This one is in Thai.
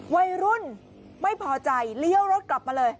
วัยรุ่นไม่พอใจเลี้ยวรถกลับมาเลย